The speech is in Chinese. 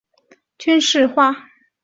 莫卧儿王朝的行政制度实行军事化。